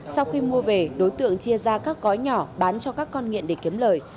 sau khi mua về đối tượng chia ra các gói nhỏ bán cho các con nghiện để kiếm lời